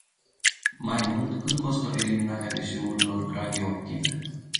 Mai mult, cât costă eliminarea deșeurilor radioactive?